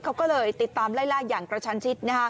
เขาก็เลยติดตามไล่ล่าอย่างกระชันชิด